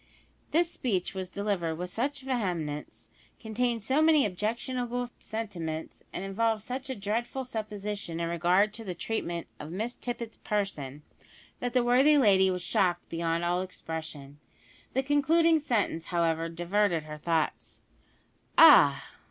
This speech was delivered with such vehemence, contained so many objectionable sentiments, and involved such a dreadful supposition in regard to the treatment of Miss Tippet's person, that the worthy lady was shocked beyond all expression. The concluding sentence, however, diverted her thoughts. "Ah!